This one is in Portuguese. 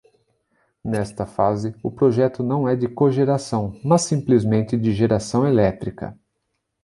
Nesta fase, o projeto não é de cogeração, mas simplesmente de geração elétrica.